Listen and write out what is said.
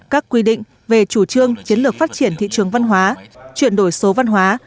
các quy định về chủ trương chiến lược phát triển thị trường văn hóa chuyển đổi số văn hóa